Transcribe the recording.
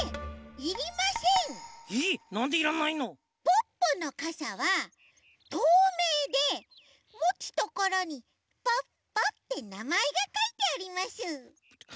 ポッポのかさはとうめいでもつところに「ポッポ」ってなまえがかいてあります。